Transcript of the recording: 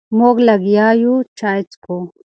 مونږ لګیا یو چای څکو.